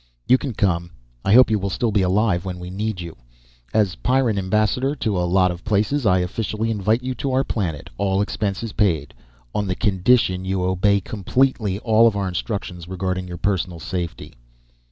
You can come. I hope you will still be alive when we need you. As Pyrran ambassador to a lot of places I officially invite you to our planet. All expenses paid. On the condition you obey completely all our instructions regarding your personal safety."